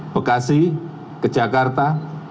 bekasi ke jakarta